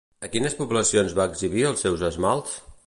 A quines poblacions va exhibir els seus esmalts?